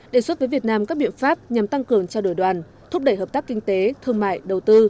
đề xuất với việt nam các biện pháp nhằm tăng cường trao đổi đoàn thúc đẩy hợp tác kinh tế thương mại đầu tư